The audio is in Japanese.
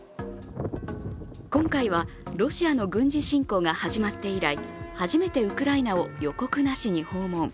今回はロシアの軍事侵攻が始まって以来初めてウクライナを予告なしに訪問。